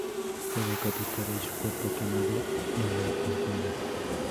Fue decapitada y su cuerpo quemado en la hoguera.